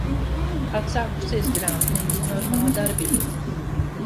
Atsākusies grāmatnīcu normāla darbība.